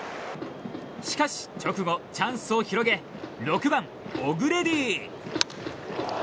しかし直後、チャンスを広げ６番、オグレディ！